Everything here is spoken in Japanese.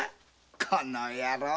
この野郎。